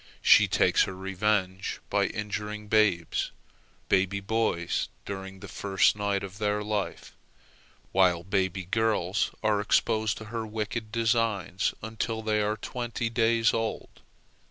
She takes her revenge by injuring babes—baby boys during the first night of their life, while baby girls are exposed to her wicked designs until they are twenty days old.